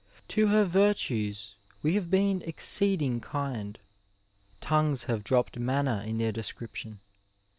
To her virtaes we have been exceeding kind— tongues have dropped manna in their description.